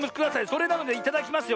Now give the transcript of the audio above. それなのでいただきますよ